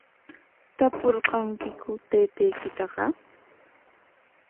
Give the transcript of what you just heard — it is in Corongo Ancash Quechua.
¿Tapurqankiku taytaykitaqa?